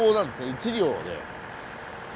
１両で。